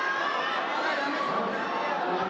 ตังเนินตังเนินตังเนิน